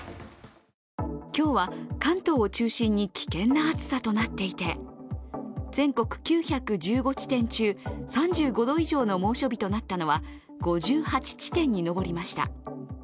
今日は関東を中心に危険な暑さとなっていて全国９１５地点中、３５度以上の猛暑日となったのは５８地点に上りました。